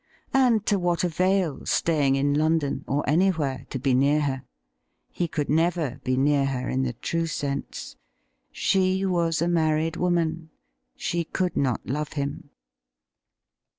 And to what avail staying in London or anywhere to be near her ? He could never be near her in the true sense. She was a married woman — she could not love him.